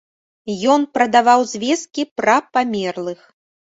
Ён прадаваў звесткі пра памерлых.